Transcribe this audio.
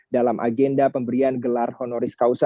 dalam agenda pemberian gelar honoris causa